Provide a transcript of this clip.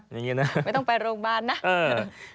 ไม่ต้องไปโรงพยาบาลนะ